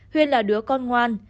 huyên là đứa con ngoan